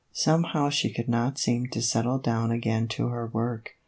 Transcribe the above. Somehow she could not seem to settle down again to her work.